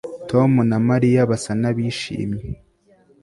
Tom na Mariya basa nabishimye